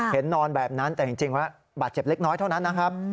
นอนแบบนั้นแต่จริงแล้วบาดเจ็บเล็กน้อยเท่านั้นนะครับ